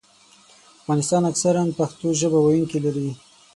افغانستان اکثراً پښتو ژبه ویونکي لري.